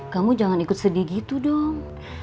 kamu jangan ikut sedih gitu dong